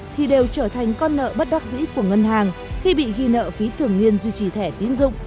thì đều trở thành con nợ bất đắc dĩ của ngân hàng khi bị ghi nợ phí thường nghiên duy trì thẻ tiến dụng